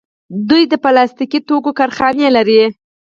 دوی د پلاستیکي توکو کارخانې لري.